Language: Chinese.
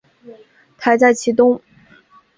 台在其东。